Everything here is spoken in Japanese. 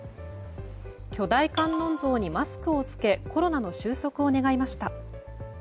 巨大観音像にマスクを着けコロナの収束を願いました。